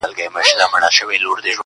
• لوستونکي پرې ژور فکر کوي تل,